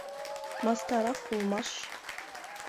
Мастарак улмаш.